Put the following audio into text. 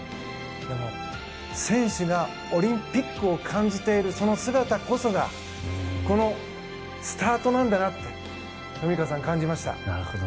でも、選手がオリンピックを感じているその姿こそがこのスタートなんだなと富川さん、感じました。